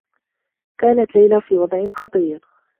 كانت ليلى في وضع خطير.